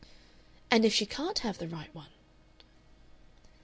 "And if she can't have the right one?